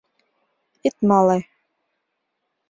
— Ит мале.